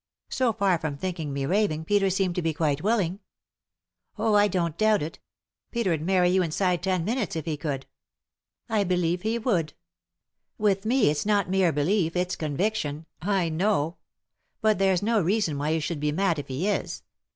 So far from thinking me raving, Peter seemed to be quite willing." 313 3i 9 iii^d by Google THE INTERRUPTED KISS " Oh, I don't doubt it 1 Peter' d many you inside ten minutes if he could." " I believe he would." " With me it's not mere belief, it's conviction ; I know. But there's no reason why you should be mad if he is.